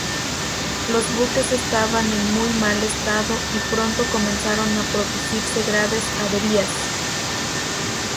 Los buques estaban en muy mal estado y pronto comenzaron a producirse graves averías.